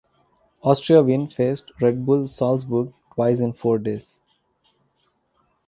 Austria Wien faced Red Bull Salzburg twice in four days.